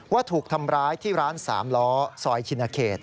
ว่าถูกทำร้ายที่ร้าน๓ล้อซอยชินเขต